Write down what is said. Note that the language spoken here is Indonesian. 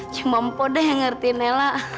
cuma po deh yang ngertiin ella